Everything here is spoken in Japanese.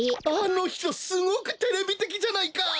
あのひとすごくテレビてきじゃないか。